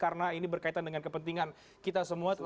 karena ini berkaitan dengan kepentingan kita semua